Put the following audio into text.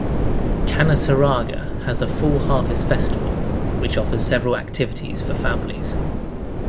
Canaseraga has a Fall Harvest Festival which offers several activities for families.